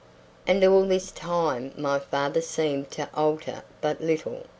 And all this time my father seemed to alter but little.